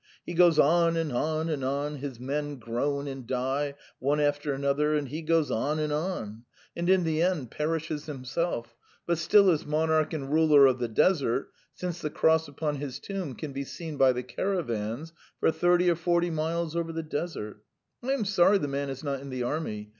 He goes on and on and on, his men groan and die, one after another, and he goes on and on, and in the end perishes himself, but still is monarch and ruler of the desert, since the cross upon his tomb can be seen by the caravans for thirty or forty miles over the desert. I am sorry the man is not in the army.